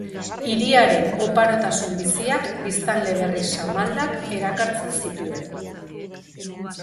Hiriaren oparotasun biziak biztanle berri samaldak erakartzen zituen.